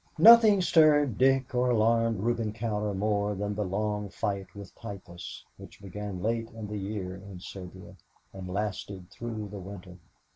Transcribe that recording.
Nothing stirred Dick or alarmed Reuben Cowder more than the long fight with typhus, which began late in the year in Serbia and lasted through the winter.